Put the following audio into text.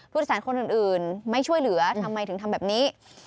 สารคนอื่นไม่ช่วยเหลือทำไมถึงทำแบบนี้